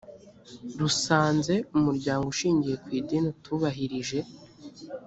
rusanze umuryango ushingiye ku idini utubahirije